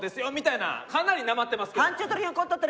かなりなまってますけど。